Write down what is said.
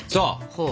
ほう。